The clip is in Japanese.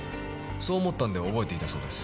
そう思ったんで覚えていたそうです。